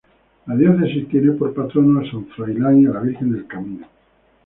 La diócesis tiene por patronos a San Froilán y a la Virgen del Camino.